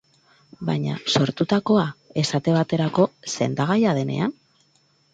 Baina, sortutakoa, esate baterako, sendagaia denean?